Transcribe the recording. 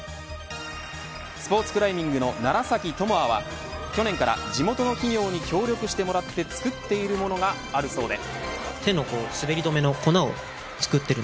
スポーツクライミングの楢崎智亜は去年から地元の企業に協力してもらって作っているものがあるそうで。